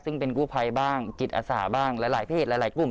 ซึ่งเป็นกู้ภัยบ้างจิตอาสาบ้างหลายเพศหลายกลุ่ม